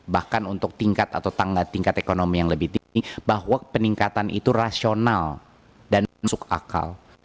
bahkan untuk tingkat atau tingkat ekonomi yang lebih tinggi bahwa peningkatan itu rasional dan masuk akal